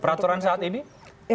peraturan saat ini